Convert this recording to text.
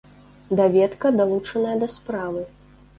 Даведка далучаная да справы.